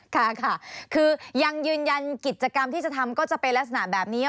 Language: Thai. ค่ะค่ะคือยังยืนยันกิจกรรมที่จะทำก็จะเป็นลักษณะแบบนี้